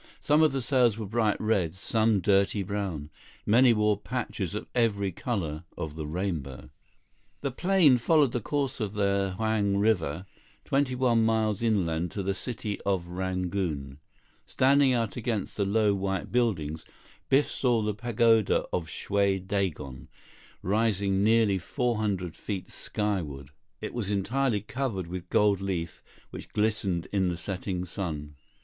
Some of the sails were bright red, some dirty brown. Many wore patches of every color of the rainbow. The plane followed the course of the Hlaing River, twenty one miles inland to the city of Rangoon. Standing out against the low, white buildings, Biff saw the pagoda of Shwe Dagon, rising nearly 400 feet skyward. It was entirely covered with gold leaf which glistened in the setting sun.